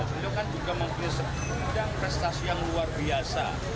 beliau kan juga mempunyai sebuah prestasi yang luar biasa